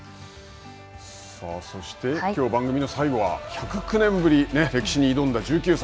さあ、そして、きょう番組の最後は１０９年ぶり歴史に挑んだ１９歳。